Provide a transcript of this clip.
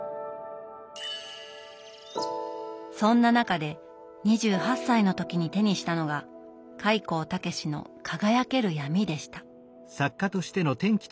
そんな中で２８歳の時に手にしたのが開高健の「輝ける闇」でした。